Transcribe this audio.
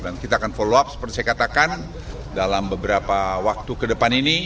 dan kita akan follow up seperti saya katakan dalam beberapa waktu ke depan ini